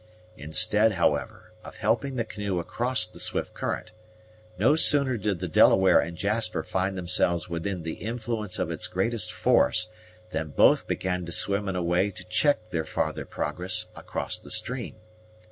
Instead, however, of helping the canoe across the swift current, no sooner did the Delaware and Jasper find themselves within the influence of its greatest force than both began to swim in a way to check their farther progress across the stream.